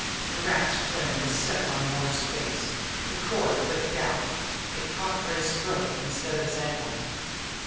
The rat's grin was set on Ward's dark face. The cord licked out. But it caught Gray's throat instead of his ankle!